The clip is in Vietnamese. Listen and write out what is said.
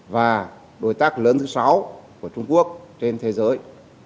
và đối tác lớn thứ sáu của trung quốc trên thế giới